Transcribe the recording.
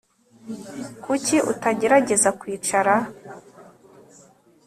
Kuki utagerageza kwicara